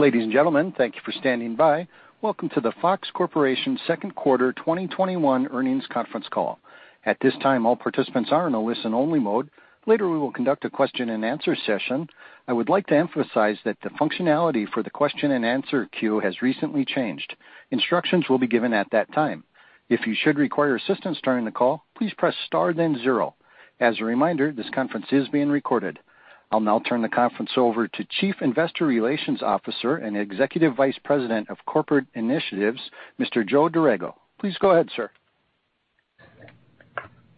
Ladies and gentlemen, thank you for standing by. Welcome to the Fox Corporation Second Quarter 2021 Earnings Conference Call. At this time, all participants are in a listen-only mode. Later, we will conduct a question-and-answer session. I would like to emphasize that the functionality for the question-and-answer queue has recently changed. Instructions will be given at that time. If you should require assistance during the call, please press star then zero. As a reminder, this conference is being recorded. I'll now turn the conference over to Chief Investor Relations Officer and Executive Vice President of Corporate Initiatives, Mr. Joe Dorrego. Please go ahead, sir.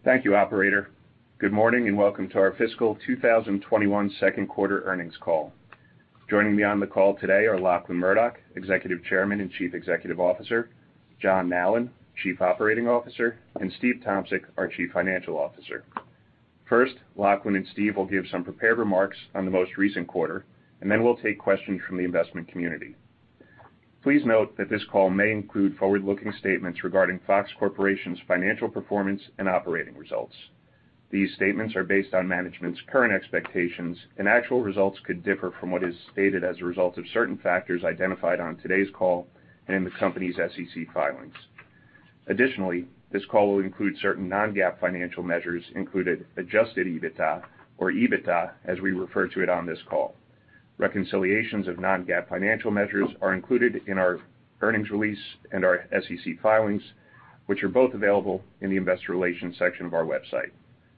Thank you, Operator. Good morning and welcome to our fiscal 2021 Second Quarter Earnings Call. Joining me on the call today are Lachlan Murdoch, Executive Chairman and Chief Executive Officer, John Nallen, Chief Operating Officer, and Steve Tomsic, our Chief Financial Officer. First, Lachlan and Steve will give some prepared remarks on the most recent quarter, and then we'll take questions from the investment community. Please note that this call may include forward-looking statements regarding Fox Corporation's financial performance and operating results. These statements are based on management's current expectations, and actual results could differ from what is stated as a result of certain factors identified on today's call and in the company's SEC filings. Additionally, this call will include certain non-GAAP financial measures, including adjusted EBITDA, or EBITDA as we refer to it on this call. Reconciliations of non-GAAP financial measures are included in our earnings release and our SEC filings, which are both available in the Investor Relations section of our website,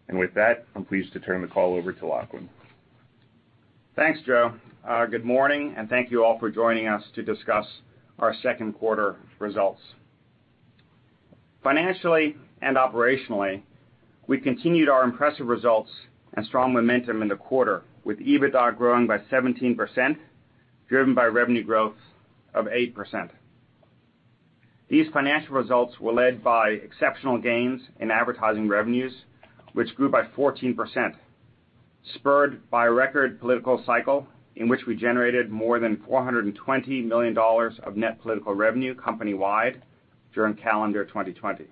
and with that, I'm pleased to turn the call over to Lachlan. Thanks, Joe. Good morning, and thank you all for joining us to discuss our second quarter results. Financially and operationally, we continued our impressive results and strong momentum in the quarter, with EBITDA growing by 17%, driven by revenue growth of 8%. These financial results were led by exceptional gains in advertising revenues, which grew by 14%, spurred by a record political cycle in which we generated more than $420 million of net political revenue company-wide during calendar 2020.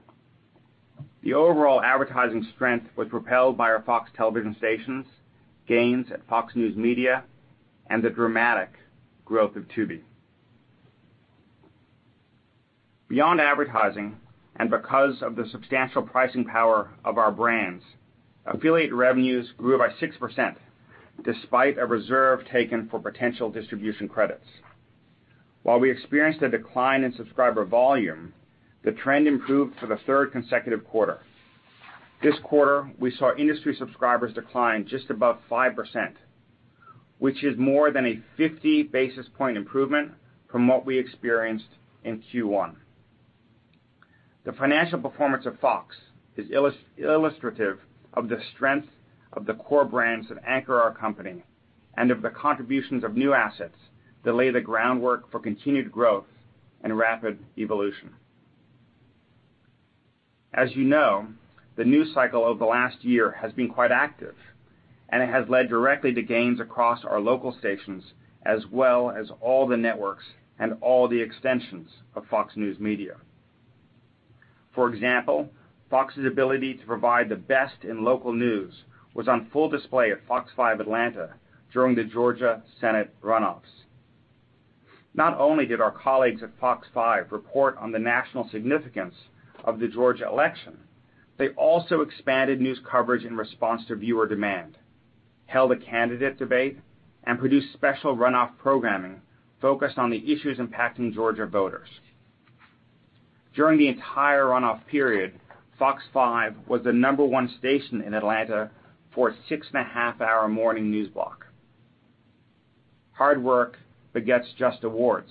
The overall advertising strength was propelled by our Fox Television Stations, gains at Fox News Media, and the dramatic growth of Tubi. Beyond advertising, and because of the substantial pricing power of our brands, affiliate revenues grew by 6% despite a reserve taken for potential distribution credits. While we experienced a decline in subscriber volume, the trend improved for the third consecutive quarter. This quarter, we saw industry subscribers decline just above 5%, which is more than a 50 basis points improvement from what we experienced in Q1. The financial performance of Fox is illustrative of the strength of the core brands that anchor our company and of the contributions of new assets that lay the groundwork for continued growth and rapid evolution. As you know, the news cycle of the last year has been quite active, and it has led directly to gains across our local stations as well as all the networks and all the extensions of Fox News Media. For example, Fox's ability to provide the best in local news was on full display at Fox 5 Atlanta during the Georgia Senate runoffs. Not only did our colleagues at Fox 5 report on the national significance of the Georgia election, they also expanded news coverage in response to viewer demand, held a candidate debate, and produced special runoff programming focused on the issues impacting Georgia voters. During the entire runoff period, Fox 5 was the number one station in Atlanta for its six-and-a-half-hour morning news block. Hard work begets just awards,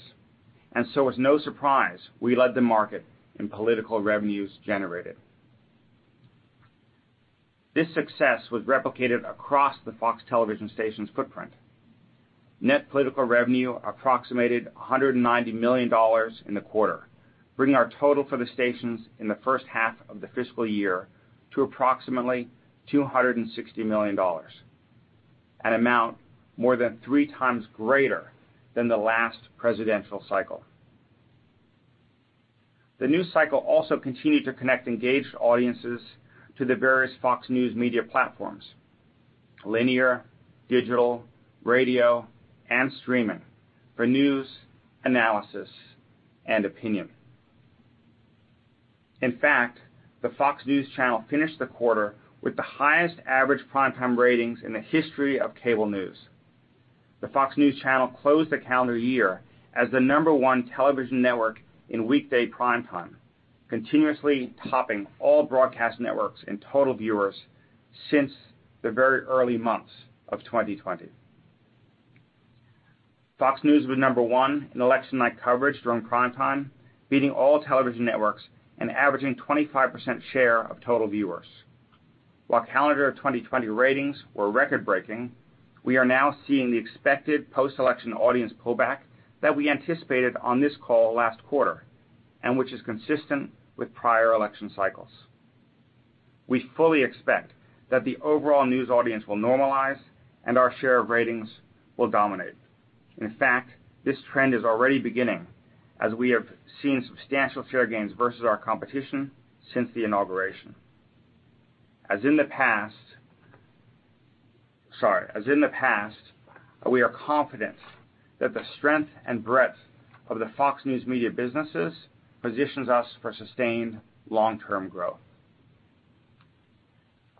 and so it's no surprise we led the market in political revenues generated. This success was replicated across the Fox Television Stations' footprint. Net political revenue approximated $190 million in the quarter, bringing our total for the stations in the first half of the fiscal year to approximately $260 million, an amount more than 3x greater than the last presidential cycle. The news cycle also continued to connect engaged audiences to the various Fox News Media platforms: linear, digital, radio, and streaming for news, analysis, and opinion. In fact, the Fox News Channel finished the quarter with the highest average primetime ratings in the history of cable news. The Fox News Channel closed the calendar year as the number one television network in weekday primetime, continuously topping all broadcast networks in total viewers since the very early months of 2020. Fox News was number one in election-night coverage during primetime, beating all television networks and averaging a 25% share of total viewers. While calendar 2020 ratings were record-breaking, we are now seeing the expected post-election audience pullback that we anticipated on this call last quarter, and which is consistent with prior election cycles. We fully expect that the overall news audience will normalize and our share of ratings will dominate. In fact, this trend is already beginning as we have seen substantial share gains versus our competition since the inauguration. As in the past, we are confident that the strength and breadth of the Fox News Media businesses positions us for sustained long-term growth.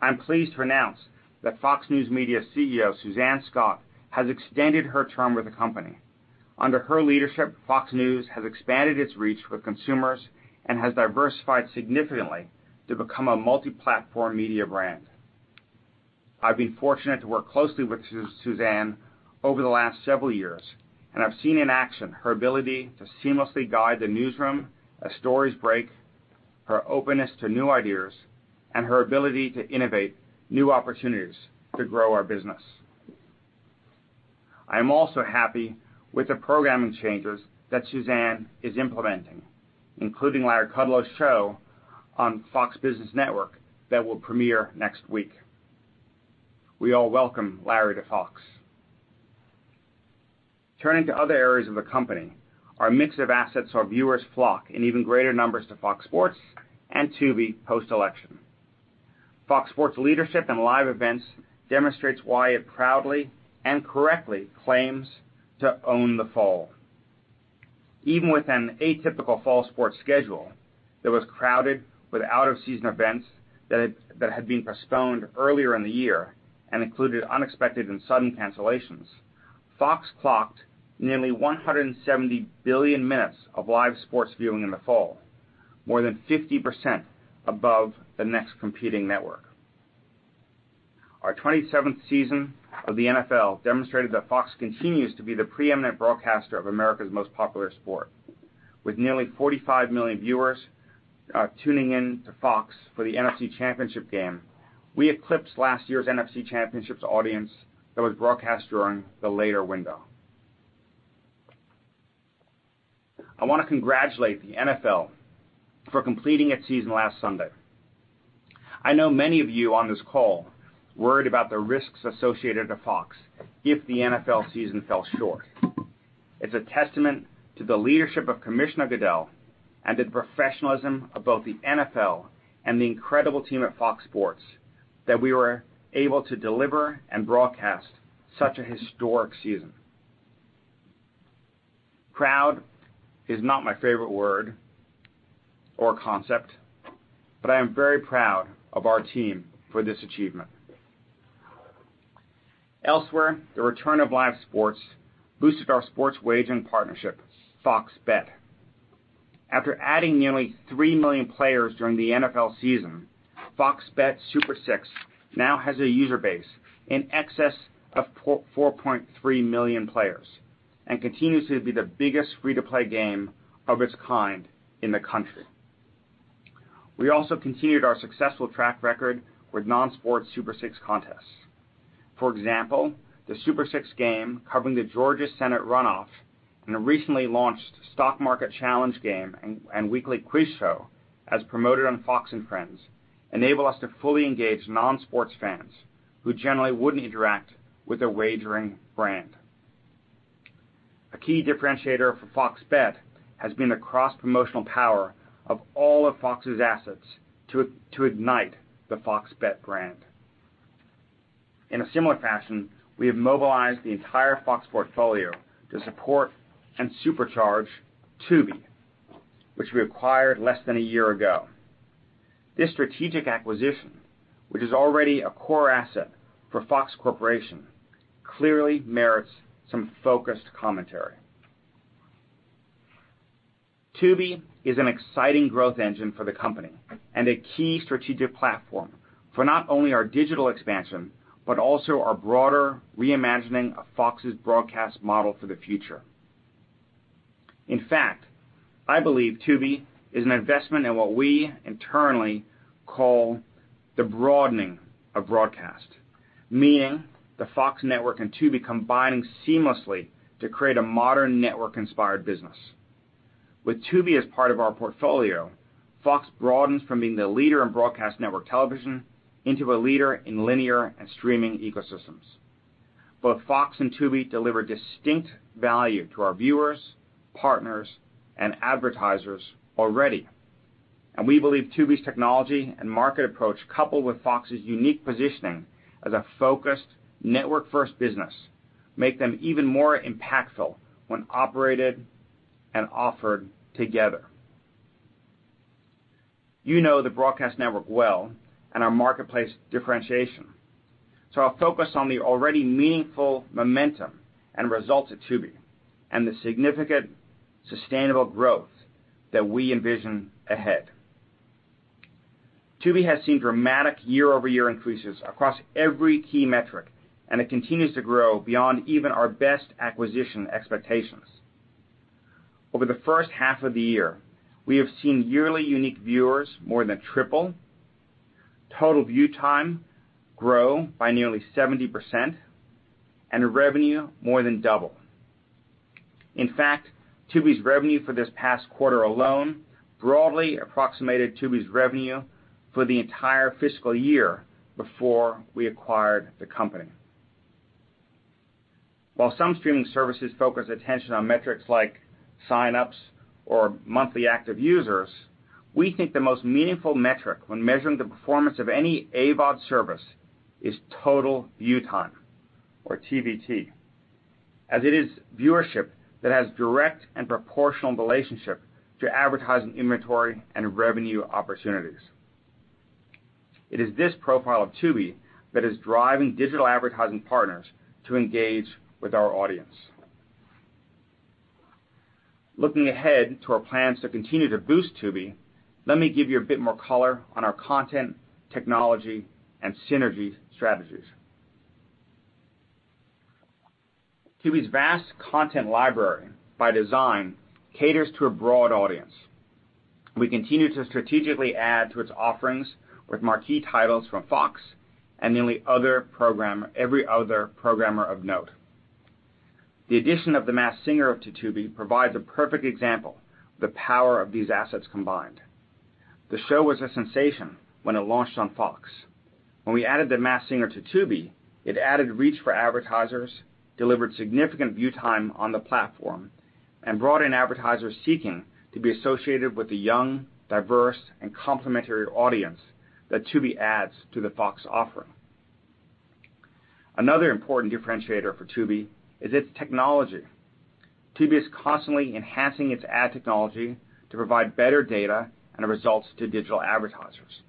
I'm pleased to announce that Fox News Media CEO Suzanne Scott has extended her term with the company. Under her leadership, Fox News has expanded its reach with consumers and has diversified significantly to become a multi-platform media brand. I've been fortunate to work closely with Suzanne over the last several years, and I've seen in action her ability to seamlessly guide the newsroom as stories break, her openness to new ideas, and her ability to innovate new opportunities to grow our business. I am also happy with the programming changes that Suzanne is implementing, including Larry Kudlow's show on Fox Business Network that will premiere next week. We all welcome Larry to Fox. Turning to other areas of the company, our mix of assets saw viewers flock in even greater numbers to Fox Sports and Tubi post-election. Fox Sports leadership and live events demonstrate why it proudly and correctly claims to own the fall. Even with an atypical fall sports schedule that was crowded with out-of-season events that had been postponed earlier in the year and included unexpected and sudden cancellations, Fox clocked nearly 170 billion minutes of live sports viewing in the fall, more than 50% above the next competing network. Our 27th season of the NFL demonstrated that Fox continues to be the preeminent broadcaster of America's most popular sport. With nearly 45 million viewers tuning in to Fox for the NFC Championship game, we eclipsed last year's NFC Championships audience that was broadcast during the later window. I want to congratulate the NFL for completing its season last Sunday. I know many of you on this call worried about the risks associated with Fox if the NFL season fell short. It's a testament to the leadership of Commissioner Goodell and the professionalism of both the NFL and the incredible team at Fox Sports that we were able to deliver and broadcast such a historic season. Proud is not my favorite word or concept, but I am very proud of our team for this achievement. Elsewhere, the return of live sports boosted our sports wagering partnership, Fox Bet. After adding nearly three million players during the NFL season, Fox Bet Super Six now has a user base in excess of 4.3 million players and continues to be the biggest free-to-play game of its kind in the country. We also continued our successful track record with non-sports Super Six contests. For example, the Super Six game covering the Georgia Senate runoff and a recently launched stock market challenge game and weekly quiz show as promoted on Fox & Friends enabled us to fully engage non-sports fans who generally wouldn't interact with a wagering brand. A key differentiator for Fox Bet has been the cross-promotional power of all of Fox's assets to ignite the Fox Bet brand. In a similar fashion, we have mobilized the entire Fox portfolio to support and supercharge Tubi, which we acquired less than a year ago. This strategic acquisition, which is already a core asset for Fox Corporation, clearly merits some focused commentary. Tubi is an exciting growth engine for the company and a key strategic platform for not only our digital expansion but also our broader reimagining of Fox's broadcast model for the future. In fact, I believe Tubi is an investment in what we internally call the broadening of broadcast, meaning the Fox Network and Tubi combining seamlessly to create a modern network-inspired business. With Tubi as part of our portfolio, Fox broadens from being the leader in broadcast network television into a leader in linear and streaming ecosystems. Both Fox and Tubi deliver distinct value to our viewers, partners, and advertisers already, and we believe Tubi's technology and market approach, coupled with Fox's unique positioning as a focused, network-first business, make them even more impactful when operated and offered together. You know the broadcast network well and our marketplace differentiation, so I'll focus on the already meaningful momentum and results at Tubi and the significant sustainable growth that we envision ahead. Tubi has seen dramatic year-over-year increases across every key metric, and it continues to grow beyond even our best acquisition expectations. Over the first half of the year, we have seen yearly unique viewers more than triple, total view time grow by nearly 70%, and revenue more than double. In fact, Tubi's revenue for this past quarter alone broadly approximated Tubi's revenue for the entire fiscal year before we acquired the company. While some streaming services focus attention on metrics like sign-ups or monthly active users, we think the most meaningful metric when measuring the performance of any AVOD service is total view time, or TVT, as it is viewership that has a direct and proportional relationship to advertising inventory and revenue opportunities. It is this profile of Tubi that is driving digital advertising partners to engage with our audience. Looking ahead to our plans to continue to boost Tubi, let me give you a bit more color on our content, technology, and synergy strategies. Tubi's vast content library, by design, caters to a broad audience. We continue to strategically add to its offerings with marquee titles from Fox and nearly every other programmer of note. The addition of The Masked Singer to Tubi provides a perfect example of the power of these assets combined. The show was a sensation when it launched on Fox. When we added The Masked Singer to Tubi, it added reach for advertisers, delivered significant view time on the platform, and brought in advertisers seeking to be associated with the young, diverse, and complementary audience that Tubi adds to the Fox offering. Another important differentiator for Tubi is its technology. Tubi is constantly enhancing its ad technology to provide better data and results to digital advertisers.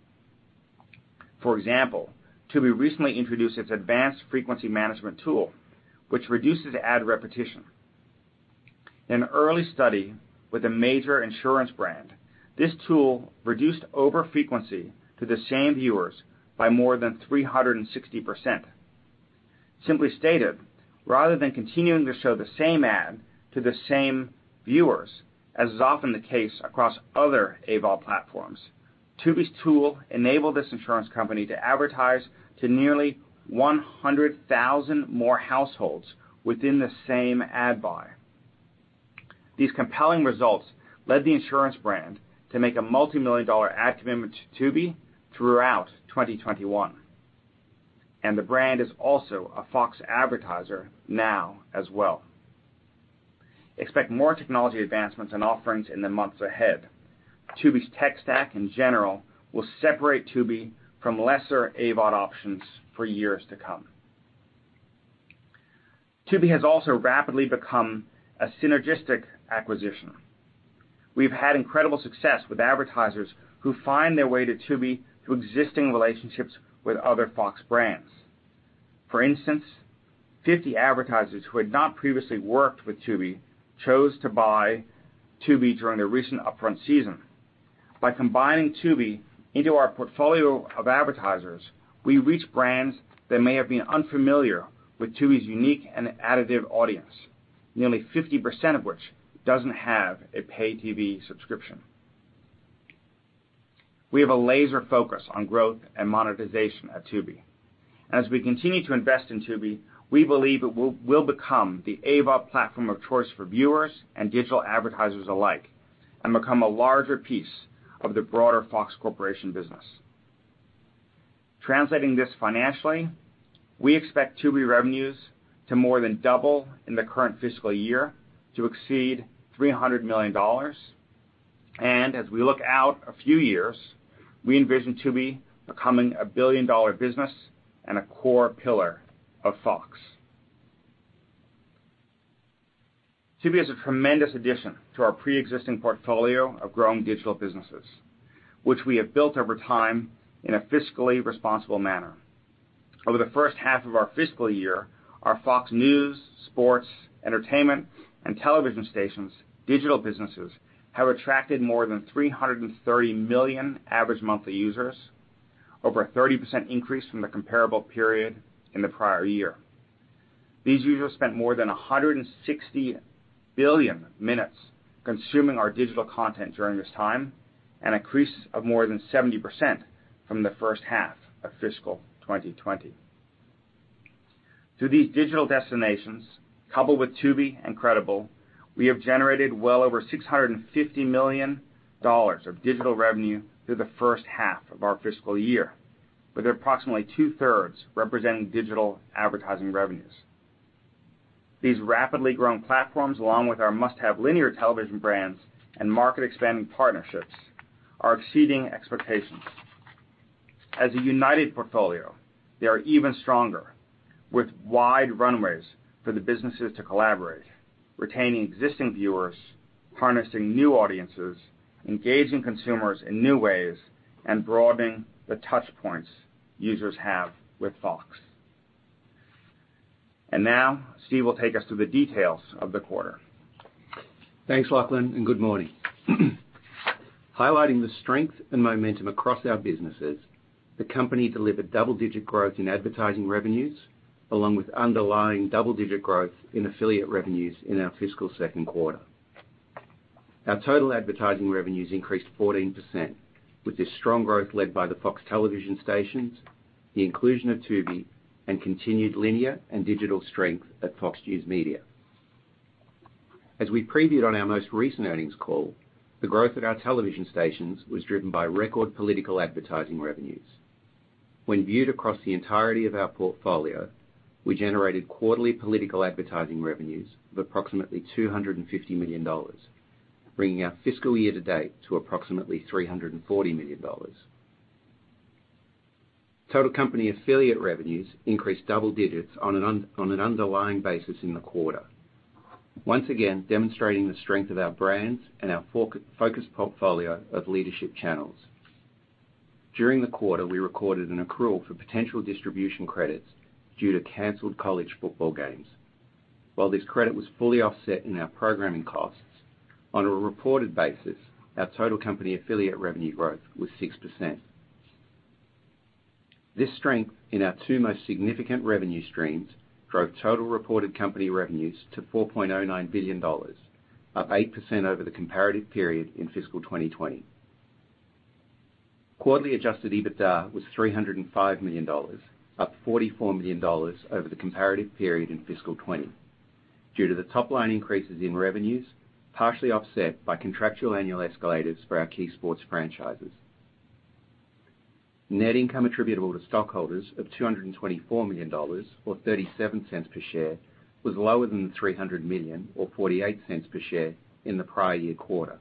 For example, Tubi recently introduced its advanced frequency management tool, which reduces ad repetition. In an early study with a major insurance brand, this tool reduced over-frequency to the same viewers by more than 360%. Simply stated, rather than continuing to show the same ad to the same viewers, as is often the case across other AVOD platforms, Tubi's tool enabled this insurance company to advertise to nearly 100,000 more households within the same ad buy. These compelling results led the insurance brand to make a multi-million-dollar ad commitment to Tubi throughout 2021, and the brand is also a Fox advertiser now as well. Expect more technology advancements and offerings in the months ahead. Tubi's tech stack, in general, will separate Tubi from lesser AVOD options for years to come. Tubi has also rapidly become a synergistic acquisition. We've had incredible success with advertisers who find their way to Tubi through existing relationships with other Fox brands. For instance, 50 advertisers who had not previously worked with Tubi chose to buy Tubi during the recent upfront season. By combining Tubi into our portfolio of advertisers, we reach brands that may have been unfamiliar with Tubi's unique and additive audience, nearly 50% of which doesn't have a pay-TV subscription. We have a laser focus on growth and monetization at Tubi, and as we continue to invest in Tubi, we believe it will become the AVOD platform of choice for viewers and digital advertisers alike and become a larger piece of the broader Fox Corporation business. Translating this financially, we expect Tubi revenues to more than double in the current fiscal year to exceed $300 million, and as we look out a few years, we envision Tubi becoming a billion-dollar business and a core pillar of Fox. Tubi is a tremendous addition to our pre-existing portfolio of growing digital businesses, which we have built over time in a fiscally responsible manner. Over the first half of our fiscal year, our Fox News, sports, entertainment, and television stations' digital businesses have attracted more than 330 million average monthly users, over a 30% increase from the comparable period in the prior year. These users spent more than 160 billion minutes consuming our digital content during this time and increased by more than 70% from the first half of fiscal 2020. Through these digital destinations, coupled with Tubi and Credible, we have generated well over $650 million of digital revenue through the first half of our fiscal year, with approximately two-thirds representing digital advertising revenues. These rapidly growing platforms, along with our must-have linear television brands and market-expanding partnerships, are exceeding expectations. As a united portfolio, they are even stronger, with wide runways for the businesses to collaborate, retaining existing viewers, harnessing new audiences, engaging consumers in new ways, and broadening the touchpoints users have with Fox. And now, Steve will take us through the details of the quarter. Thanks, Lachlan, and good morning. Highlighting the strength and momentum across our businesses, the company delivered double-digit growth in advertising revenues along with underlying double-digit growth in affiliate revenues in our fiscal second quarter. Our total advertising revenues increased 14% with this strong growth led by the Fox Television Stations, the inclusion of Tubi, and continued linear and digital strength at Fox News Media. As we previewed on our most recent earnings call, the growth at our television stations was driven by record political advertising revenues. When viewed across the entirety of our portfolio, we generated quarterly political advertising revenues of approximately $250 million, bringing our fiscal year-to-date to approximately $340 million. Total company affiliate revenues increased double digits on an underlying basis in the quarter, once again demonstrating the strength of our brands and our focused portfolio of leadership channels. During the quarter, we recorded an accrual for potential distribution credits due to canceled college football games. While this credit was fully offset in our programming costs, on a reported basis, our total company affiliate revenue growth was 6%. This strength in our two most significant revenue streams drove total reported company revenues to $4.09 billion, up 8% over the comparative period in fiscal 2020. Quarterly Adjusted EBITDA was $305 million, up $44 million over the comparative period in fiscal 2020, due to the top-line increases in revenues partially offset by contractual annual escalators for our key sports franchises. Net income attributable to stockholders of $224 million, or $0.37 per share, was lower than the $300 million, or $0.48 per share, in the prior year quarter.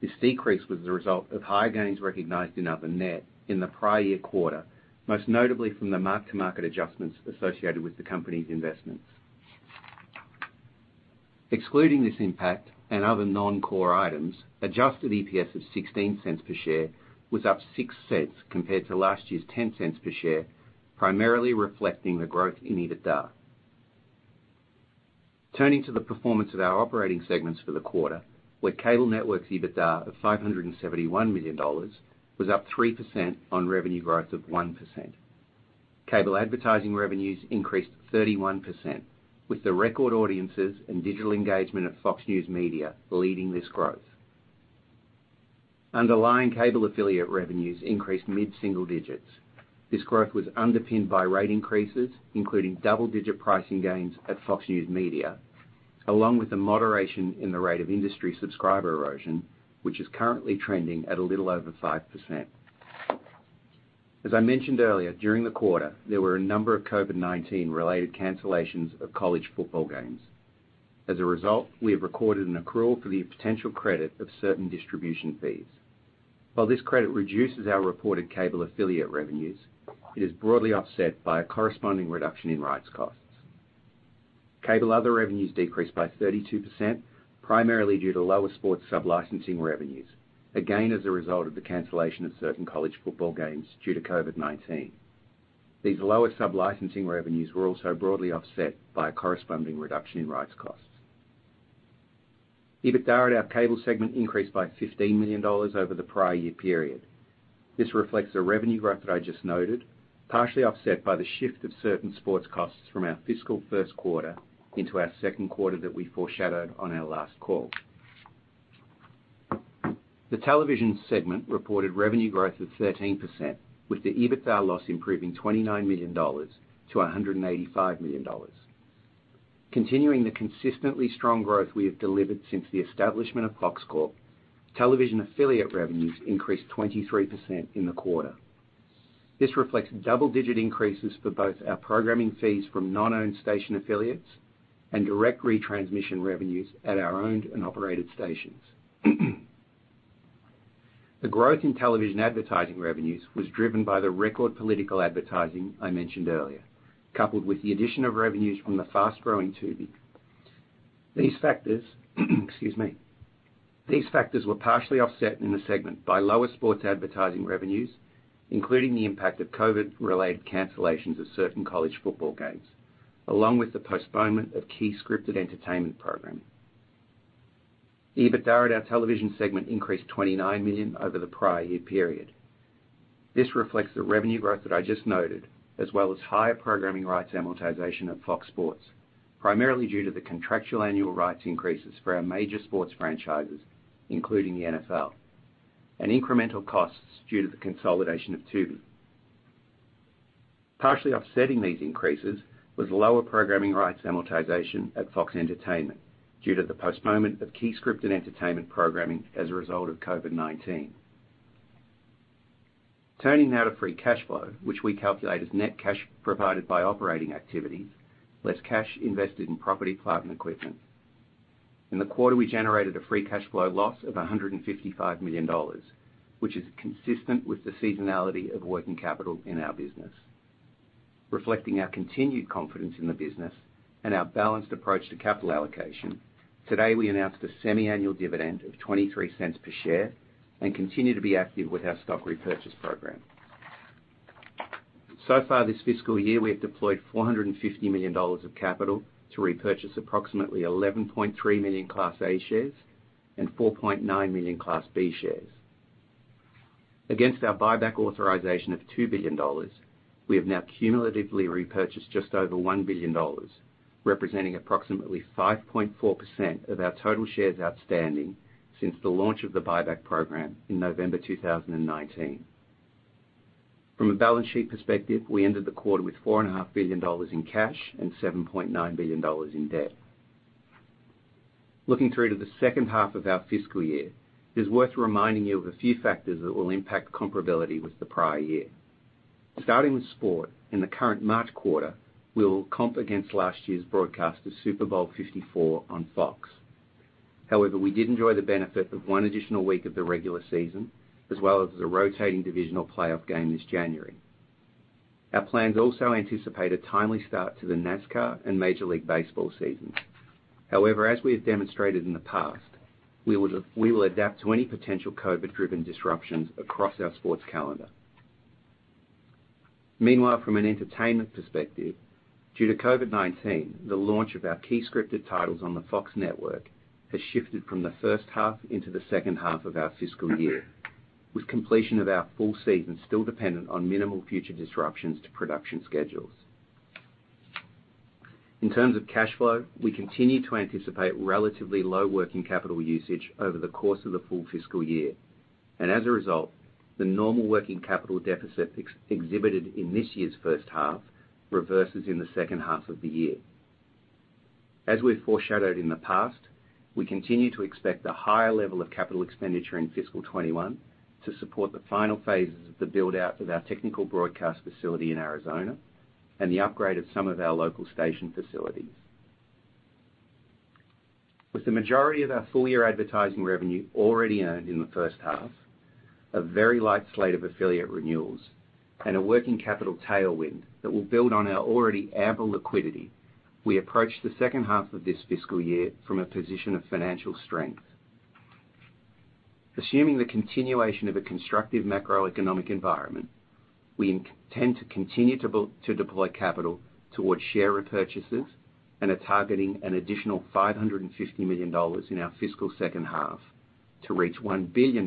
This decrease was the result of higher gains recognized in other net income in the prior year quarter, most notably from the mark-to-market adjustments associated with the company's investments. Excluding this impact and other non-core items, adjusted EPS of $0.16 per share was up $0.06 compared to last year's $0.10 per share, primarily reflecting the growth in EBITDA. Turning to the performance of our operating segments for the quarter, with Cable Networks' EBITDA of $571 million, it was up 3% on revenue growth of 1%. Cable advertising revenues increased 31%, with the record audiences and digital engagement of Fox News Media leading this growth. Underlying cable affiliate revenues increased mid-single digits. This growth was underpinned by rate increases, including double-digit pricing gains at Fox News Media, along with a moderation in the rate of industry subscriber erosion, which is currently trending at a little over 5%. As I mentioned earlier, during the quarter, there were a number of COVID-19-related cancellations of college football games. As a result, we have recorded an accrual for the potential credit of certain distribution fees. While this credit reduces our reported cable affiliate revenues, it is broadly offset by a corresponding reduction in rights costs. Cable other revenues decreased by 32%, primarily due to lower sports sublicensing revenues, again as a result of the cancellation of certain college football games due to COVID-19. These lower sublicensing revenues were also broadly offset by a corresponding reduction in rights costs. EBITDA at our cable segment increased by $15 million over the prior year period. This reflects the revenue growth that I just noted, partially offset by the shift of certain sports costs from our fiscal first quarter into our second quarter that we foreshadowed on our last call. The television segment reported revenue growth of 13%, with the EBITDA loss improving $29 million to $185 million. Continuing the consistently strong growth we have delivered since the establishment of Fox Corp, television affiliate revenues increased 23% in the quarter. This reflects double-digit increases for both our programming fees from non-owned station affiliates and direct retransmission revenues at our owned and operated stations. The growth in television advertising revenues was driven by the record political advertising I mentioned earlier, coupled with the addition of revenues from the fast-growing Tubi. These factors were partially offset in the segment by lower sports advertising revenues, including the impact of COVID-related cancellations of certain college football games, along with the postponement of key scripted entertainment programming. EBITDA at our television segment increased $29 million over the prior year period. This reflects the revenue growth that I just noted, as well as higher programming rights amortization at Fox Sports, primarily due to the contractual annual rights increases for our major sports franchises, including the NFL, and incremental costs due to the consolidation of Tubi. Partially offsetting these increases was lower programming rights amortization at Fox Entertainment due to the postponement of key scripted entertainment programming as a result of COVID-19. Turning now to free cash flow, which we calculate as net cash provided by operating activities, less cash invested in property, plant, and equipment. In the quarter, we generated a free cash flow loss of $155 million, which is consistent with the seasonality of working capital in our business. Reflecting our continued confidence in the business and our balanced approach to capital allocation, today we announced a semi-annual dividend of $0.23 per share and continue to be active with our stock repurchase program. So far this fiscal year, we have deployed $450 million of capital to repurchase approximately 11.3 million Class A shares and 4.9 million Class B shares. Against our buyback authorization of $2 billion, we have now cumulatively repurchased just over $1 billion, representing approximately 5.4% of our total shares outstanding since the launch of the buyback program in November 2019. From a balance sheet perspective, we ended the quarter with $4.5 billion in cash and $7.9 billion in debt. Looking through to the second half of our fiscal year, it is worth reminding you of a few factors that will impact comparability with the prior year. Starting with sports, in the current March quarter, we will comp against last year's broadcast of Super Bowl LIV on Fox. However, we did enjoy the benefit of one additional week of the regular season, as well as a rotating divisional playoff game this January. Our plans also anticipate a timely start to the NASCAR and Major League Baseball season. However, as we have demonstrated in the past, we will adapt to any potential COVID-driven disruptions across our sports calendar. Meanwhile, from an entertainment perspective, due to COVID-19, the launch of our key scripted titles on the Fox Network has shifted from the first half into the second half of our fiscal year, with completion of our full season still dependent on minimal future disruptions to production schedules. In terms of cash flow, we continue to anticipate relatively low working capital usage over the course of the full fiscal year, and as a result, the normal working capital deficit exhibited in this year's first half reverses in the second half of the year. As we've foreshadowed in the past, we continue to expect a higher level of capital expenditure in fiscal 2021 to support the final phases of the build-out of our technical broadcast facility in Arizona and the upgrade of some of our local station facilities. With the majority of our full-year advertising revenue already earned in the first half, a very light slate of affiliate renewals, and a working capital tailwind that will build on our already ample liquidity, we approach the second half of this fiscal year from a position of financial strength. Assuming the continuation of a constructive macroeconomic environment, we intend to continue to deploy capital towards share repurchases and are targeting an additional $550 million in our fiscal second half to reach $1 billion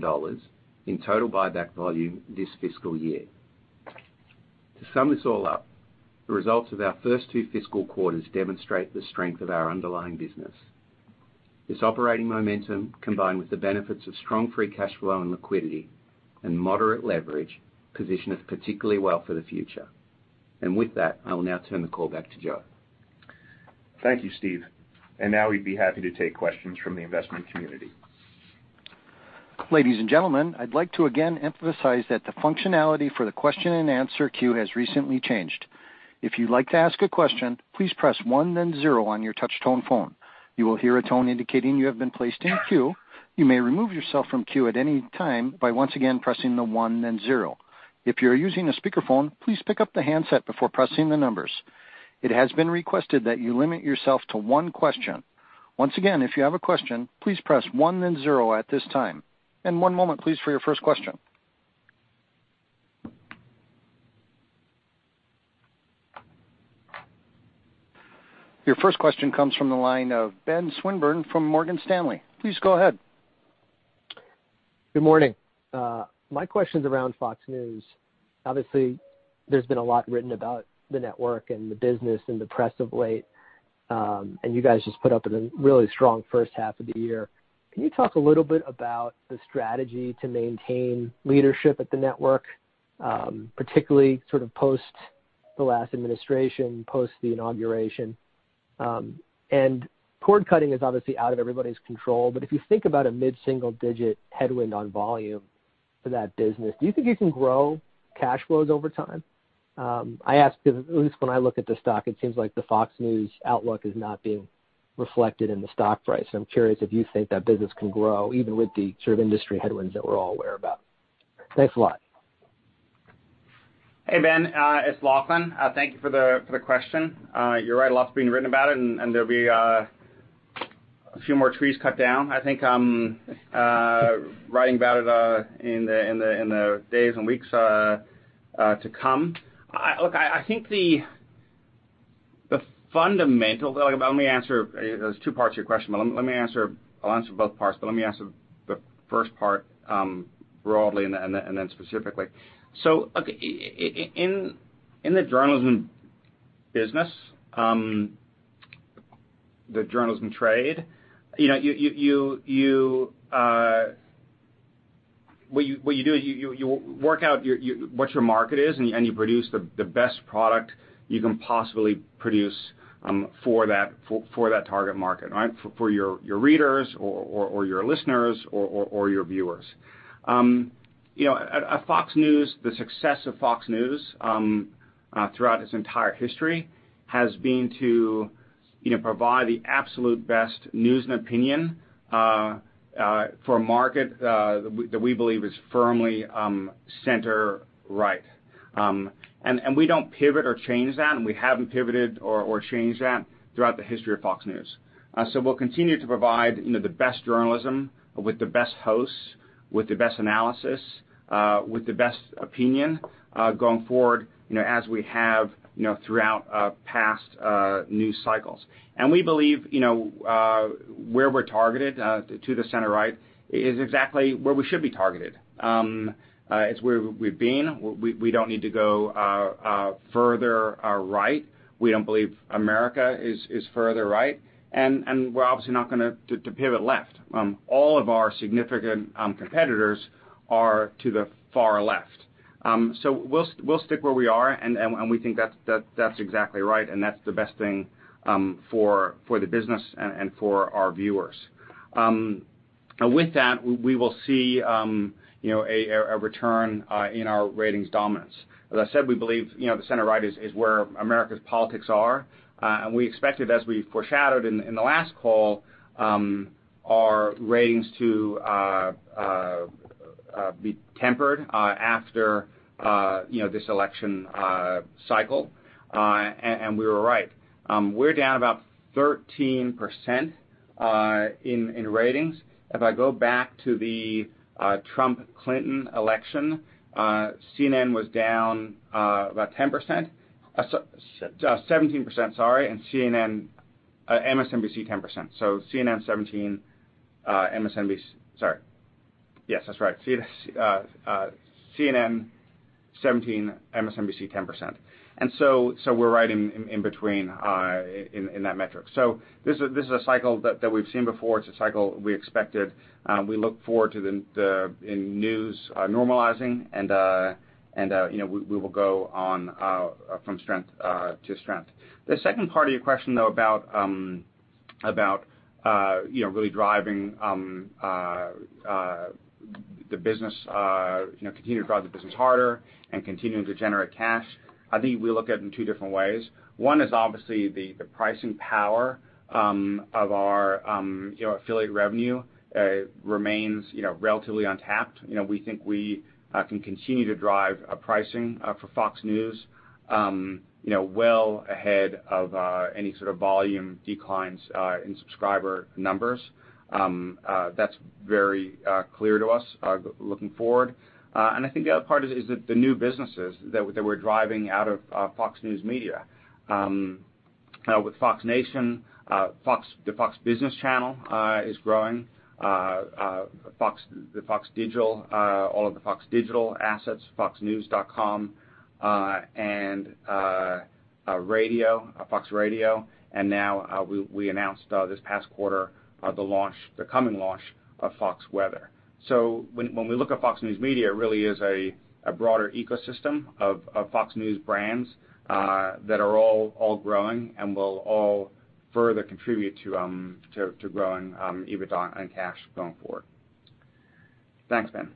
in total buyback volume this fiscal year. To sum this all up, the results of our first two fiscal quarters demonstrate the strength of our underlying business. This operating momentum, combined with the benefits of strong free cash flow and liquidity and moderate leverage, position us particularly well for the future. And with that, I will now turn the call back to Joe. Thank you, Steve. And now we'd be happy to take questions from the investment community. Ladies and gentlemen, I'd like to again emphasize that the functionality for the question-and-answer queue has recently changed. If you'd like to ask a question, please press one, then zero on your touch-tone phone. You will hear a tone indicating you have been placed in queue. You may remove yourself from queue at any time by once again pressing the one, then zero. If you're using a speakerphone, please pick up the handset before pressing the numbers. It has been requested that you limit yourself to one question. Once again, if you have a question, please press one, then zero at this time. And one moment, please, for your first question. Your first question comes from the line of Ben Swinburne from Morgan Stanley. Please go ahead. Good morning. My question's around Fox News. Obviously, there's been a lot written about the network and the business and the press of late, and you guys just put up a really strong first half of the year. Can you talk a little bit about the strategy to maintain leadership at the network, particularly sort of post the last administration, post the inauguration? And cord cutting is obviously out of everybody's control, but if you think about a mid-single-digit headwind on volume for that business, do you think you can grow cash flows over time? I ask because at least when I look at the stock, it seems like the Fox News outlook is not being reflected in the stock price. I'm curious if you think that business can grow, even with the sort of industry headwinds that we're all aware about. Thanks a lot. Hey, Ben. It's Lachlan. Thank you for the question. You're right, a lot's been written about it, and there'll be a few more trees cut down. I think I'm writing about it in the days and weeks to come. Look, I think the fundamental, let me answer, there's two parts to your question, but let me answer. I'll answer both parts, but let me answer the first part broadly and then specifically. So in the journalism business, the journalism trade, what you do is you work out what your market is, and you produce the best product you can possibly produce for that target market, right, for your readers or your listeners or your viewers. At Fox News, the success of Fox News throughout its entire history has been to provide the absolute best news and opinion for a market that we believe is firmly center-right. And we don't pivot or change that, and we haven't pivoted or changed that throughout the history of Fox News. So we'll continue to provide the best journalism with the best hosts, with the best analysis, with the best opinion going forward as we have throughout past news cycles. And we believe where we're targeted to the center-right is exactly where we should be targeted. It's where we've been. We don't need to go further right. We don't believe America is further right. And we're obviously not going to pivot left. All of our significant competitors are to the far left. So we'll stick where we are, and we think that's exactly right, and that's the best thing for the business and for our viewers. With that, we will see a return in our ratings dominance. As I said, we believe the center-right is where America's politics are, and we expected, as we foreshadowed in the last call, our ratings to be tempered after this election cycle, and we were right. We're down about 13% in ratings. If I go back to the Trump/Clinton election, CNN was down about 10%, 17%, sorry, and MSNBC 10%. So CNN 17%, MSNBC, sorry. Yes, that's right. CNN 17%, MSNBC 10%. And so we're right in between in that metric. So this is a cycle that we've seen before. It's a cycle we expected. We look forward to the news normalizing, and we will go on from strength to strength. The second part of your question, though, about really driving the business, continue to drive the business harder and continue to generate cash, I think we look at it in two different ways. One is obviously the pricing power of our affiliate revenue remains relatively untapped. We think we can continue to drive pricing for Fox News well ahead of any sort of volume declines in subscriber numbers. That's very clear to us looking forward. And I think the other part is the new businesses that we're driving out of Fox News Media. With Fox Nation, the Fox Business Channel is growing, the Fox Digital, all of the Fox Digital assets, FoxNews.com, and Fox Radio. And now we announced this past quarter the coming launch of Fox Weather. So when we look at Fox News Media, it really is a broader ecosystem of Fox News brands that are all growing and will all further contribute to growing EBITDA and cash going forward. Thanks, Ben.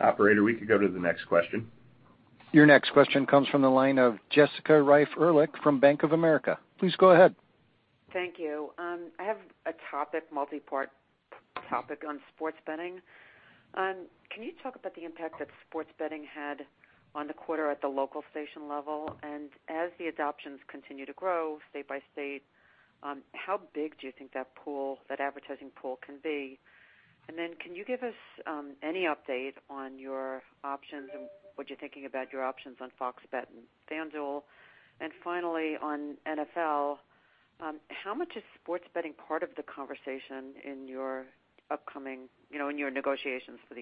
Operator, we could go to the next question. Your next question comes from the line of Jessica Reif Ehrlich from Bank of America. Please go ahead. Thank you. I have a multi-part topic on sports betting. Can you talk about the impact that sports betting had on the quarter at the local station level? And as the adoptions continue to grow state by state, how big do you think that advertising pool can be? And then can you give us any update on your options and what you're thinking about your options on Fox Bet and FanDuel? And finally, on NFL, how much is sports betting part of the conversation in your upcoming, in your negotiations for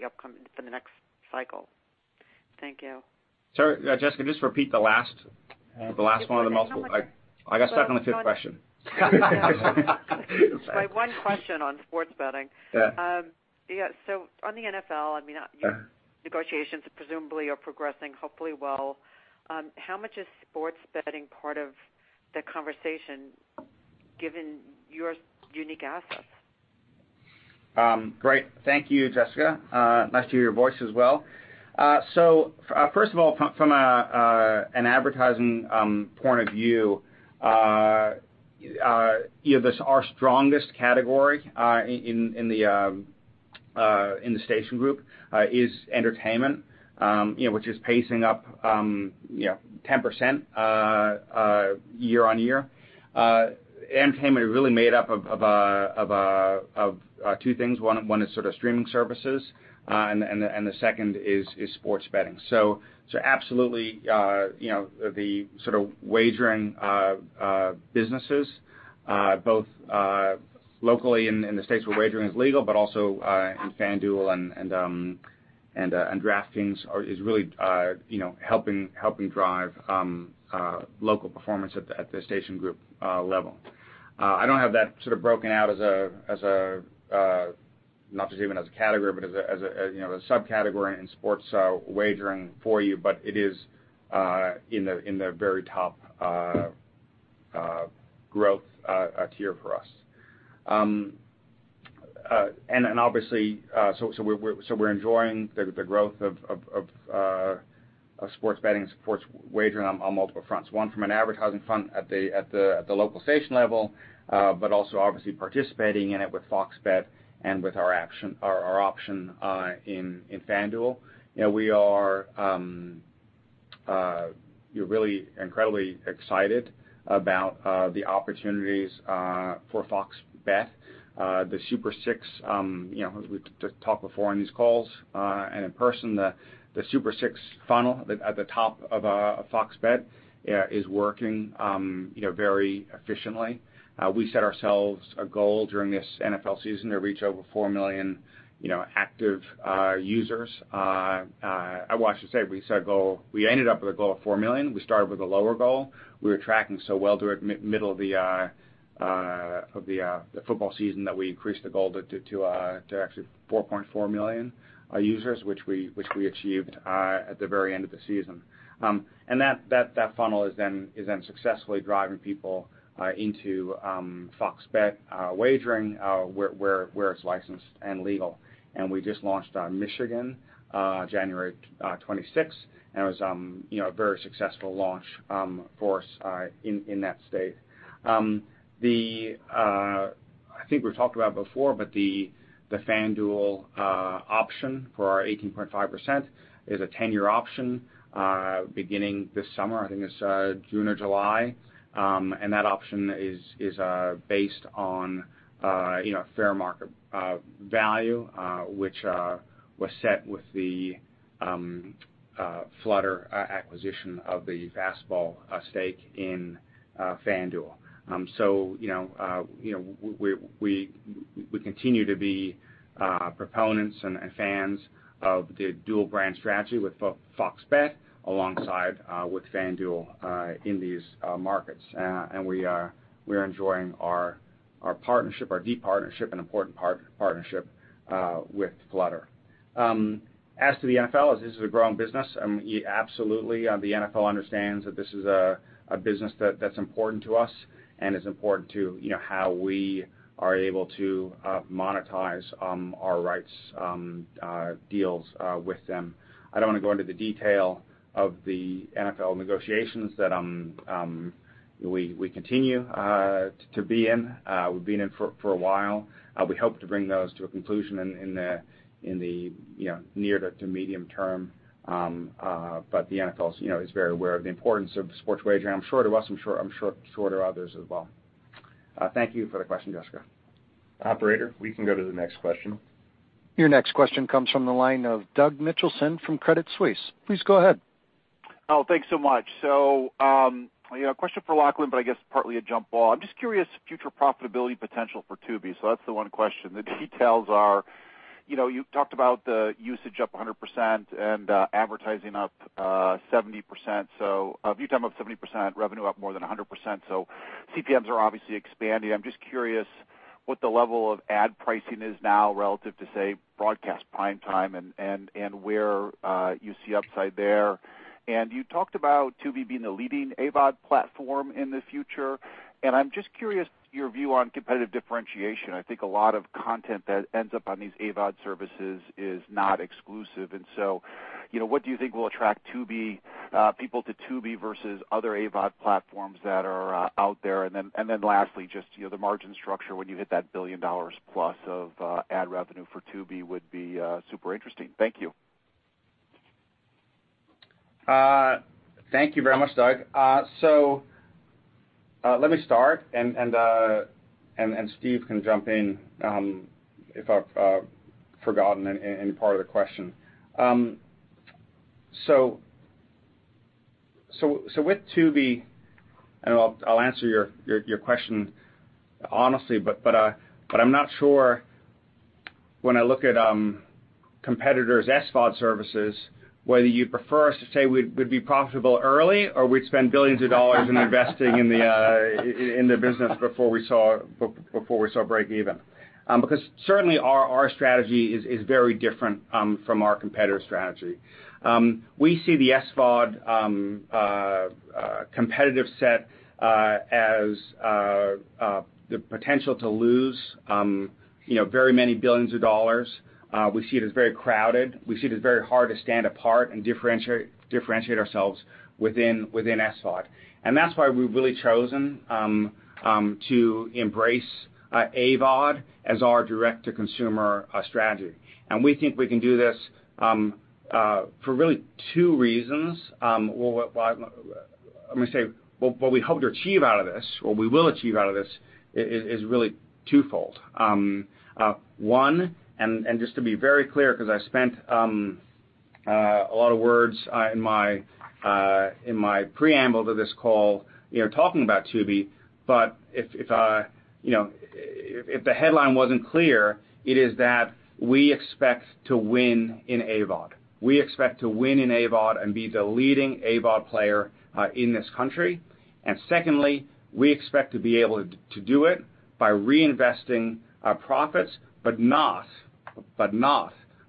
the next cycle? Thank you. Sorry, Jessica, just repeat the last one of the multiple. I got stuck on the fifth question. Just my one question on sports betting. Yeah. So on the NFL, I mean, your negotiations presumably are progressing hopefully well. How much is sports betting part of the conversation given your unique assets? Great. Thank you, Jessica. Nice to hear your voice as well. So first of all, from an advertising point of view, our strongest category in the station group is entertainment, which is pacing up 10% year-on-year. Entertainment is really made up of two things. One is sort of streaming services, and the second is sports betting. So absolutely the sort of wagering businesses, both locally in the states where wagering is legal, but also in FanDuel and DraftKings, is really helping drive local performance at the station group level. I don't have that sort of broken out as a, not just even as a category, but as a subcategory in sports wagering for you, but it is in the very top growth tier for us. And obviously, so we're enjoying the growth of sports betting and sports wagering on multiple fronts. One, from an advertising front at the local station level, but also obviously participating in it with Fox Bet and with our option in FanDuel. We are really incredibly excited about the opportunities for Fox Bet. The Super Six, as we talked before in these calls and in person, the Super Six funnel at the top of Fox Bet is working very efficiently. We set ourselves a goal during this NFL season to reach over four million active users. I should say we set a goal. We ended up with a goal of four million. We started with a lower goal. We were tracking so well through the middle of the football season that we increased the goal to actually 4.4 million users, which we achieved at the very end of the season. And that funnel is then successfully driving people into Fox Bet wagering where it's licensed and legal. We just launched Michigan January 26, and it was a very successful launch for us in that state. I think we've talked about it before, but the FanDuel option for our 18.6% is a 10-year option beginning this summer. I think it's June or July. That option is based on a fair market value, which was set with the Flutter acquisition of the Boyd stake in FanDuel. We continue to be proponents and fans of the dual-brand strategy with Fox Bet alongside with FanDuel in these markets. We are enjoying our deep partnership and important partnership with Flutter. As to the NFL, this is a growing business. Absolutely, the NFL understands that this is a business that's important to us and is important to how we are able to monetize our rights deals with them. I don't want to go into the detail of the NFL negotiations that we continue to be in. We've been in for a while. We hope to bring those to a conclusion in the near to medium term. But the NFL is very aware of the importance of sports wagering, I'm sure to us, I'm sure to others as well. Thank you for the question, Jessica. Operator, we can go to the next question. Your next question comes from the line of Doug Mitchelson from Credit Suisse. Please go ahead. Oh, thanks so much. So a question for Lachlan, but I guess partly a jump ball. I'm just curious [about the] future profitability potential for Tubi. So that's the one question. The details are you talked about the usage up 100% and advertising up 70%. So view time up 70%, revenue up more than 100%. So CPMs are obviously expanding. I'm just curious what the level of ad pricing is now relative to, say, broadcast prime time and where you see upside there. And you talked about Tubi being the leading AVOD platform in the future. And I'm just curious your view on competitive differentiation. I think a lot of content that ends up on these AVOD services is not exclusive. And so what do you think will attract people to Tubi versus other AVOD platforms that are out there? And then lastly, just the margin structure when you hit that $1 billion+ of ad revenue for Tubi would be super interesting. Thank you. Thank you very much, Doug. So let me start, and Steve can jump in if I've forgotten any part of the question. So with Tubi, and I'll answer your question honestly, but I'm not sure when I look at competitors, SVOD services, whether you prefer us to say we'd be profitable early or we'd spend billions of dollars in investing in the business before we saw break even. Because certainly our strategy is very different from our competitor strategy. We see the SVOD competitive set as the potential to lose very many billions of dollars. We see it as very crowded. We see it as very hard to stand apart and differentiate ourselves within SVOD. And that's why we've really chosen to embrace AVOD as our direct-to-consumer strategy. And we think we can do this for really two reasons. I'm going to say what we hope to achieve out of this, or we will achieve out of this, is really twofold. One, and just to be very clear, because I spent a lot of words in my preamble to this call talking about Tubi, but if the headline wasn't clear, it is that we expect to win in AVOD. We expect to win in AVOD and be the leading AVOD player in this country. And secondly, we expect to be able to do it by reinvesting our profits, but not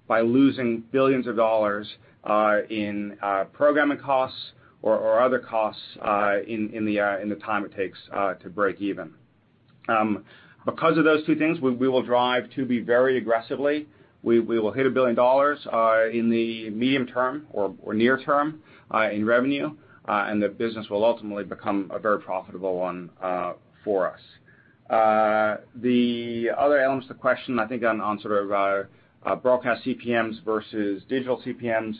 by losing billions of dollars in programming costs or other costs in the time it takes to break even. Because of those two things, we will drive Tubi very aggressively. We will hit $1 billion in the medium term or near term in revenue, and the business will ultimately become a very profitable one for us. The other elements of the question, I think, on sort of broadcast CPMs versus digital CPMs,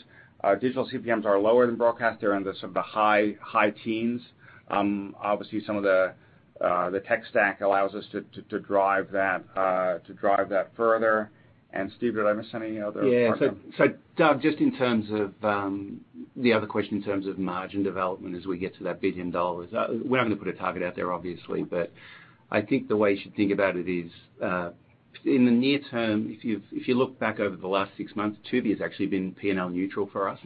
digital CPMs are lower than broadcast. They're in the sort of high teens. Obviously, some of the tech stack allows us to drive that further. And Steve, did I miss any other? Yeah. So Doug, just in terms of the other question in terms of margin development as we get to that $1 billion, we're not going to put a target out there, obviously, but I think the way you should think about it is in the near term, if you look back over the last six months, Tubi has actually been P&L neutral for us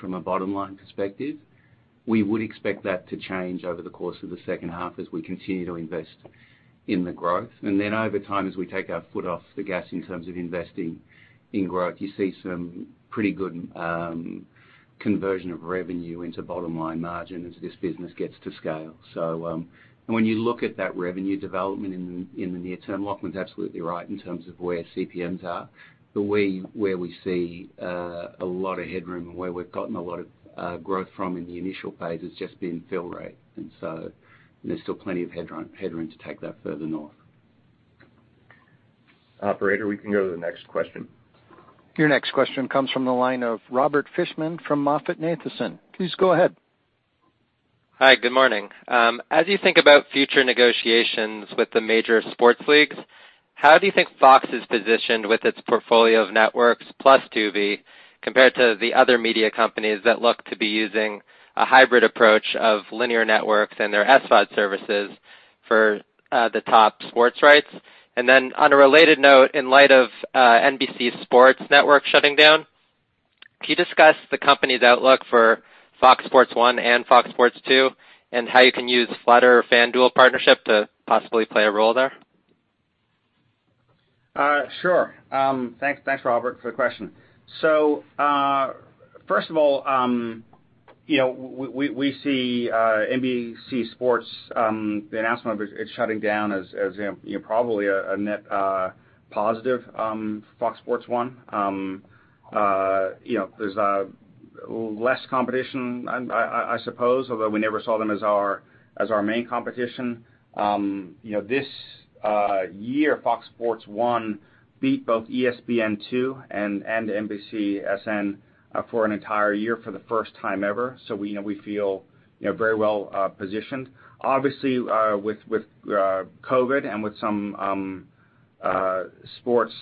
from a bottom-line perspective. We would expect that to change over the course of the second half as we continue to invest in the growth. And then over time, as we take our foot off the gas in terms of investing in growth, you see some pretty good conversion of revenue into bottom-line margin as this business gets to scale. And when you look at that revenue development in the near term, Lachlan's absolutely right in terms of where CPMs are. But where we see a lot of headroom and where we've gotten a lot of growth from in the initial phase has just been fill rate. And so there's still plenty of headroom to take that further north. Operator, we can go to the next question. Your next question comes from the line of Robert Fishman from MoffettNathanson. Please go ahead. Hi, good morning. As you think about future negotiations with the major sports leagues, how do you think Fox is positioned with its portfolio of networks plus Tubi compared to the other media companies that look to be using a hybrid approach of linear networks and their SVOD services for the top sports rights? And then on a related note, in light of NBC Sports Network shutting down, can you discuss the company's outlook for Fox Sports One and Fox Sports Two and how you can use Flutter FanDuel partnership to possibly play a role there? Sure. Thanks, Robert, for the question. So first of all, we see NBC Sports, the announcement of it shutting down as probably a net positive for Fox Sports One. There's less competition, I suppose, although we never saw them as our main competition. This year, Fox Sports One beat both ESPN Two and NBC SN for an entire year for the first time ever. So we feel very well positioned. Obviously, with COVID and with some sports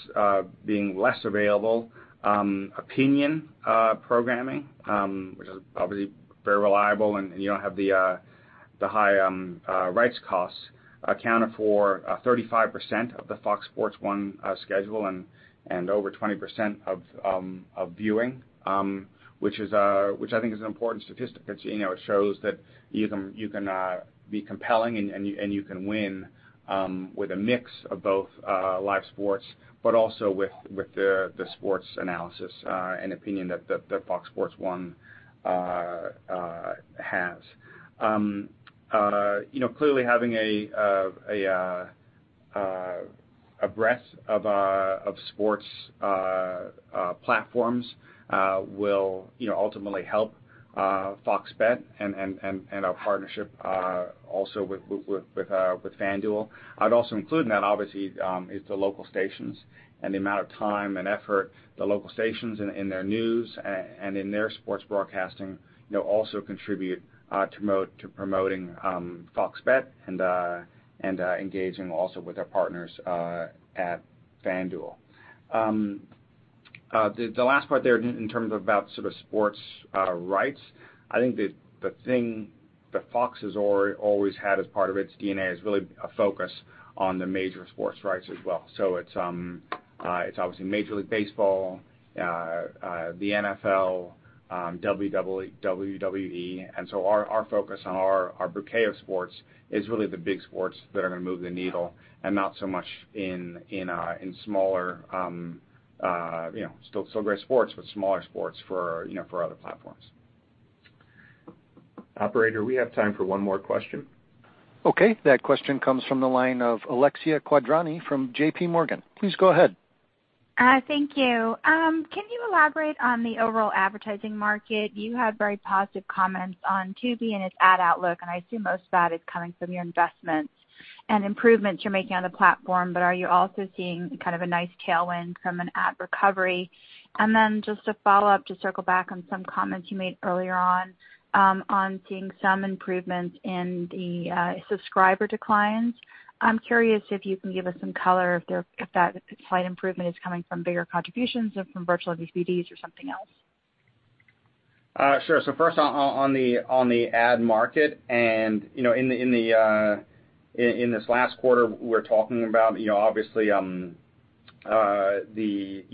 being less available, opinion programming, which is obviously very reliable and you don't have the high rights costs, accounted for 35% of the Fox Sports One schedule and over 20% of viewing, which I think is an important statistic. It shows that you can be compelling and you can win with a mix of both live sports, but also with the sports analysis and opinion that Fox Sports One has. Clearly, having a breadth of sports platforms will ultimately help Fox Bet and our partnership also with FanDuel. I'd also include in that, obviously, is the local stations and the amount of time and effort the local stations in their news and in their sports broadcasting also contribute to promoting Fox Bet and engaging also with our partners at FanDuel. The last part there in terms of about sort of sports rights, I think the thing that Fox has always had as part of its DNA is really a focus on the major sports rights as well. So it's obviously Major League Baseball, the NFL, WWE. And so our focus on our bouquet of sports is really the big sports that are going to move the needle and not so much in smaller still great sports, but smaller sports for other platforms. Operator, we have time for one more question. Okay. That question comes from the line of Alexia Quadrani from JPMorgan. Please go ahead. Thank you. Can you elaborate on the overall advertising market? You had very positive comments on Tubi and its ad outlook, and I assume most of that is coming from your investments and improvements you're making on the platform, but are you also seeing kind of a nice tailwind from an ad recovery? And then just to follow up, to circle back on some comments you made earlier on, on seeing some improvements in the subscriber declines, I'm curious if you can give us some color if that slight improvement is coming from bigger contributions or from virtual MVPDs or something else. Sure. So first, on the ad market and in this last quarter, we're talking about, obviously, the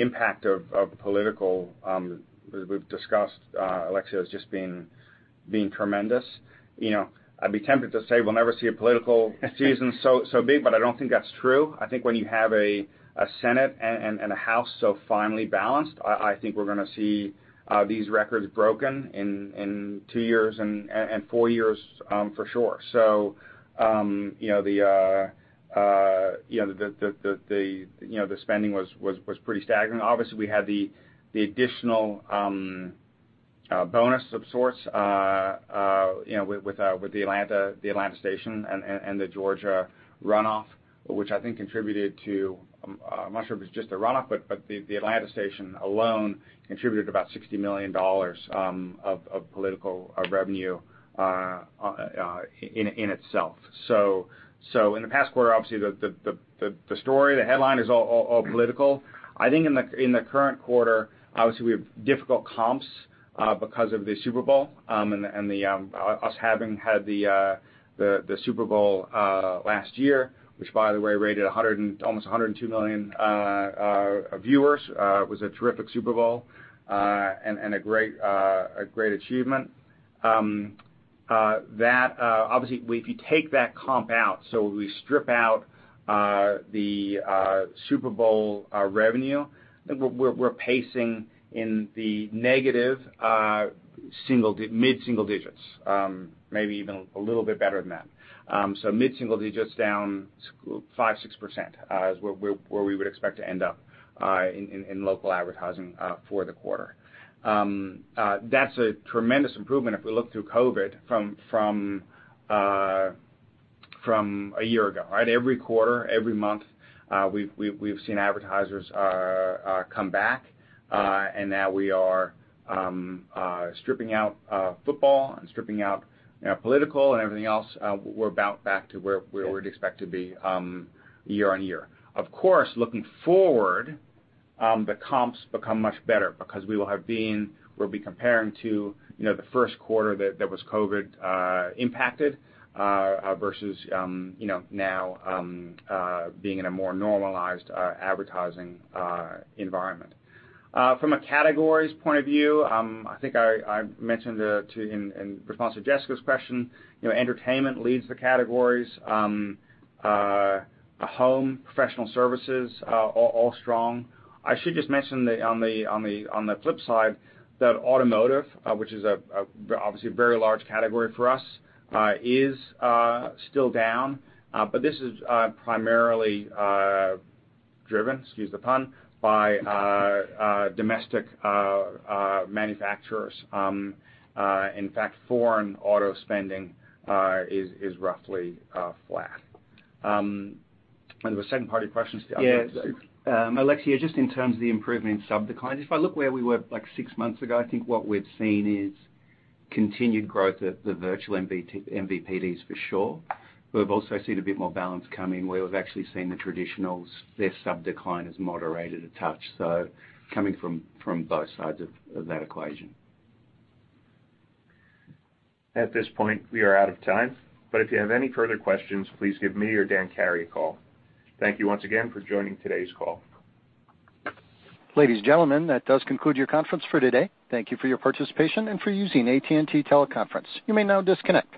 impact of political we've discussed, Alexia, has just been tremendous. I'd be tempted to say we'll never see a political season so big, but I don't think that's true. I think when you have a Senate and a House so finely balanced, I think we're going to see these records broken in two years and four years for sure. So the spending was pretty staggering. Obviously, we had the additional bonus of sorts with the Atlanta station and the Georgia runoff, which I think contributed to. I'm not sure if it's just the runoff, but the Atlanta station alone contributed about $60 million of political revenue in itself. So in the past quarter, obviously, the story, the headline is all political. I think in the current quarter, obviously, we have difficult comps because of the Super Bowl and us having had the Super Bowl last year, which, by the way, rated almost 102 million viewers. It was a terrific Super Bowl and a great achievement. Obviously, if you take that comp out, so we strip out the Super Bowl revenue, we're pacing in the negative mid-single digits, maybe even a little bit better than that. So mid-single digits down 5%-6% is where we would expect to end up in local advertising for the quarter. That's a tremendous improvement if we look through COVID from a year ago. Every quarter, every month, we've seen advertisers come back, and now we are stripping out football and stripping out political and everything else. We're about back to where we would expect to be year-on-year. Of course, looking forward, the comps become much better because we'll be comparing to the first quarter that was COVID-impacted versus now being in a more normalized advertising environment. From a categories point of view, I think I mentioned in response to Jessica's question, entertainment leads the categories. Home, professional services, all strong. I should just mention that on the flip side, automotive, which is obviously a very large category for us, is still down, but this is primarily driven, excuse the pun, by domestic manufacturers. In fact, foreign auto spending is roughly flat. And the second part of your question is the other. Yes. Alexia, just in terms of the improvement in sub-declines, if I look where we were like six months ago, I think what we've seen is continued growth at the virtual MVPDs for sure. We've also seen a bit more balance coming where we've actually seen the traditionals, their sub-decline is moderated a touch. So coming from both sides of that equation. At this point, we are out of time, but if you have any further questions, please give me or Dan Carey a call. Thank you once again for joining today's call. Ladies and gentlemen, that does conclude your conference for today. Thank you for your participation and for using AT&T Teleconference. You may now disconnect.